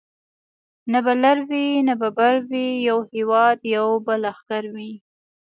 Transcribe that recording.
نه به لر وي نه به بر وي یو هیواد یو به لښکر وي